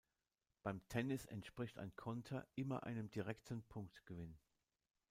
Beim Tennis entspricht ein Konter immer einem direkten Punktgewinn.